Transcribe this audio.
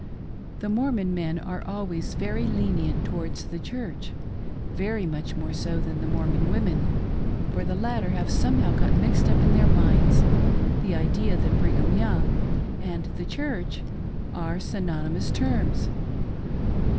The Mormon men are always very lenient towards "the Church "— very much more so than the Mormon women, for the latter have somehow got mixed up in their minds the idea that Brigham Young and "the Church" are synonymous terms.